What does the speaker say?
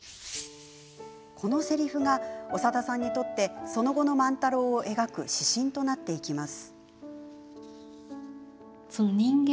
このせりふが長田さんにとってその後の万太郎を描く指針となっていきます。